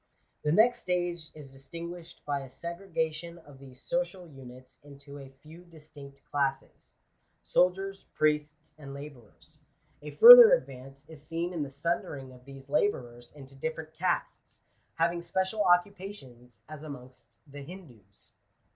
The next stage is distinguished by a segregation of these social units into a few distinct classes — soldiers, priests, and labourers. A further advance is seen in the sundering of these labourers into different castes, having special occupations, as amongst the Hindoos.